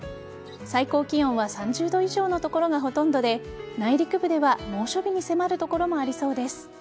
最高気温は３０度以上の所がほとんどで内陸部では猛暑日に迫る所もありそうです。